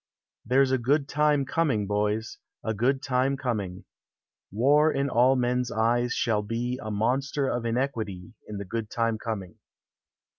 There 's a good time coming, boys, A good time coming : War in all men's eyes shall be A monster of iniquity In the good time coming.